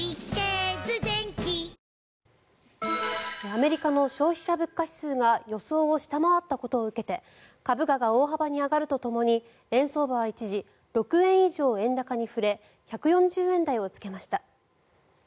アメリカの消費者物価指数が予想を下回ったことを受けて株価が大幅に上がるとともに円相場は一時６円以上円高に振れ１４０円台をつけました。